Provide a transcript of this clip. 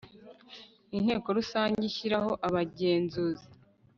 inteko rusange ishyiraho abagenzuzi